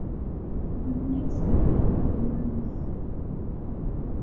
Nekkni nserreḥ deg talmanit.